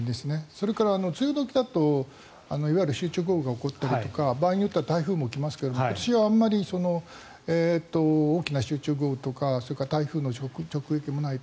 それと梅雨時だといわゆる集中豪雨が起こったりとか場合によっては台風が起きますけど今年はあまり大きな集中豪雨とかそれから台風の直撃もない。